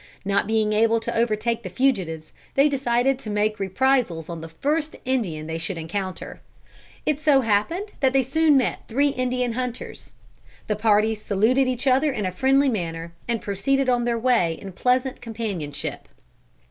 Not being able to overtake the fugitives, they decided to make reprisals on the first Indians they should encounter. It so happened that they soon met three Indian hunters. The parties saluted each other in a friendly manner, and proceeded on their way in pleasant companionship.